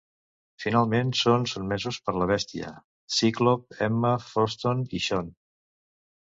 Finalment, són sotmesos per la Bèstia, Cíclop, Emma Frost i Xorn.